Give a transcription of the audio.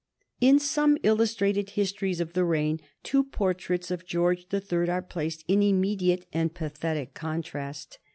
In some illustrated histories of the reign two portraits of George the Third are placed in immediate and pathetic contrast.